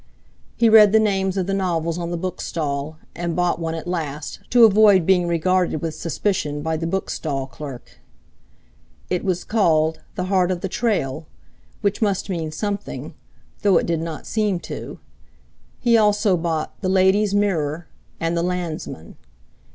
He read the names of the novels on the book stall, and bought one at last, to avoid being regarded with suspicion by the book stall clerk. It was called "The Heart of the Trail!" which must mean something, though it did not seem to. He also bought "The Lady's Mirror" and "The Landsman."